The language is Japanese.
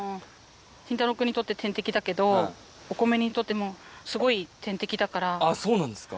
慎太郎君にとって天敵だけど、お米にとっても、すごい天敵だかああ、そうなんですか。